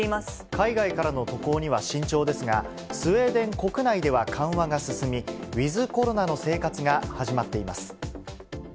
海外からの渡航には慎重ですが、スウェーデン国内では緩和が進み、ウィズコロナの生活が始まっています。